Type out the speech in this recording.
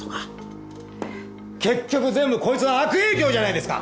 結局全部こいつは悪影響じゃないですか。